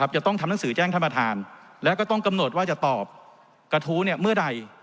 จะต้องทำหนังสือแจ้งท่านประธานแล้วก็ต้องกำหนดว่าจะตอบกระทู้เมื่อใด